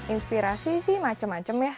inspirasi sih macam macam ya